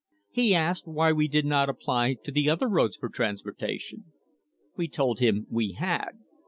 "He asked why we did not apply to the other roads for transportation. We told him we had.